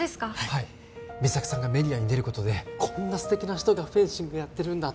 はい三咲さんがメディアに出ることでこんな素敵な人がフェンシングやってるんだ